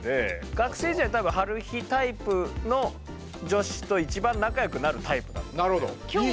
学生時代多分ハルヒタイプの女子と一番仲良くなるタイプだったんで。